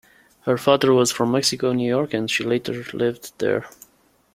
Her father was from Mexico, New York, and she later lived there.